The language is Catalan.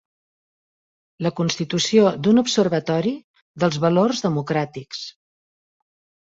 La constitució d'un observatori dels valors democràtics.